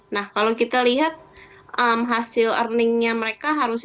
nah kalau kita lihat hasil earningnya mereka harusnya